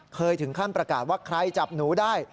เคยถึงขั้นประกาศว่าใครจับหนูได้